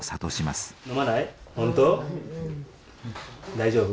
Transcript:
大丈夫？